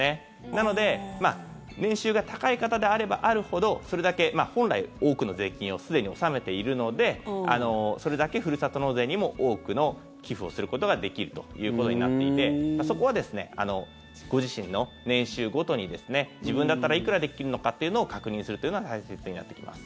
なので、年収が高い方であればあるほどそれだけ本来多くの税金をすでに納めているのでそれだけ、ふるさと納税にも多くの寄付をすることができるということになっていてそこはご自身の年収ごとに自分だったらいくらできるのかっていうのを確認するというのが大切になってきます。